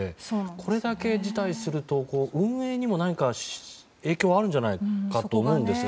これだけ辞退すると運営にも、何か影響があるんじゃないかと思うんですが。